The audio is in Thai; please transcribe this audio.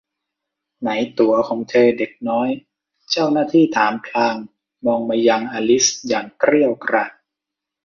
ไหนตั๋วของเธอเด็กน้อย เจ้าหน้าที่ถามพลางมองมายังอลิซอย่างเกรี้ยวกราด